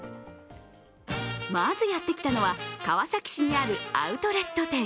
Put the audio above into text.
まずやってきたのは川崎市にあるアウトレット店。